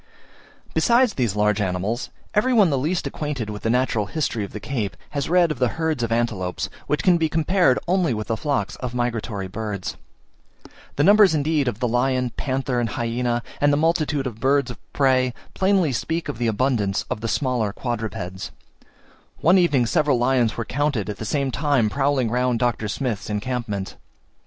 Besides these large animals, every one the least acquainted with the natural history of the Cape, has read of the herds of antelopes, which can be compared only with the flocks of migratory birds. The numbers indeed of the lion, panther, and hyaena, and the multitude of birds of prey, plainly speak of the abundance of the smaller quadrupeds: one evening seven lions were counted at the same time prowling round Dr. Smith's encampment.